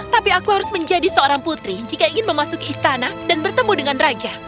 tapi aku harus menjadi seorang putri jika ingin memasuki istana dan bertemu dengan raja